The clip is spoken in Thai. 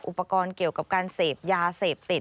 อุปกรณ์เกี่ยวกับการเสพยาเสพติด